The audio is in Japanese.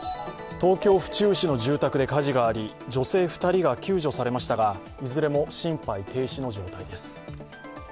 東京・府中市の住宅で火事があり女性２人が救助されましたがいずれも心肺停止の状態です。